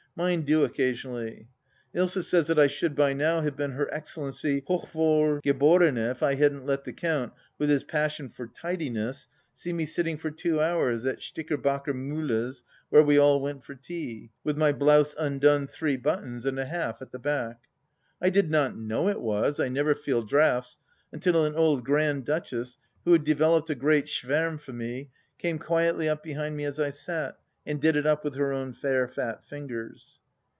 Mine do occasionally. Ilsa says that I should by now have been Her Excellency Hoch Wohl Geborene if I hadn't let the Count, with his passion for tidiness, see me sitting for two hours at Sticker Bakker Miihle's where we all went for tea, with my blouse undone three buttons and a half at the back. I did not know it was — ^I never feel draughts — ^until an old grand duchess, who had developed a great schwdrm for me, came quietly up behind me as I sat, and did it up with her own fair fat fingers.